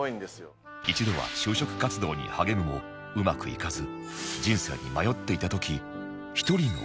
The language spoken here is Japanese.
一度は就職活動に励むもうまくいかず人生に迷っていた時